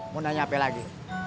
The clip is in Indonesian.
mudah nyampe lagi